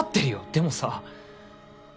でもさ。